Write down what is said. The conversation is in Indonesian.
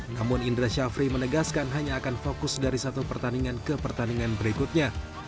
namun indra syafri menegaskan hanya akan fokus dari satu pertandingan ke pertandingan berikutnya